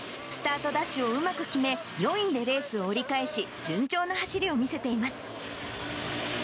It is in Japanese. スタートダッシュをうまく決め、４位でレースを折り返し、順調な走りを見せています。